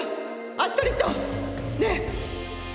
アストリッドねえ！